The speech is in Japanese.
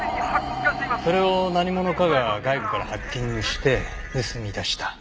それを何者かが外部からハッキングして盗み出した。